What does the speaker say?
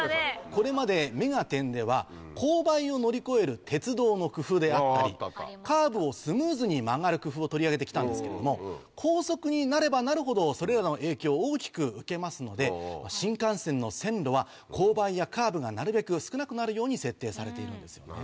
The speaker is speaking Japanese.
これまで『目がテン！』では勾配を乗り越える鉄道の工夫であったりカーブをスムーズに曲がる工夫を取り上げて来たんですけれども高速になればなるほどそれらの影響を大きく受けますので新幹線の線路は勾配やカーブがなるべく少なくなるように設定されているんですよね。